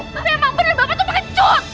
memang bener bapak itu pengecut